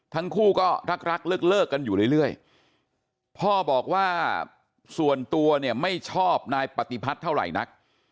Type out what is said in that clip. ทั้งคู่ก็รักรักเลิกกันอยู่เรื่อยพ่อบอกว่าส่วนตัวเนี่ยไม่ชอบนายปฏิพัฒน์เท่าไหร่นัก